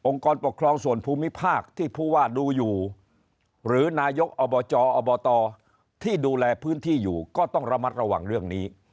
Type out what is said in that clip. กรปกครองส่วนภูมิภาคที่ผู้ว่าดูอยู่หรือนายกอบจอบตที่ดูแลพื้นที่อยู่ก็ต้องระมัดระวังเรื่องนี้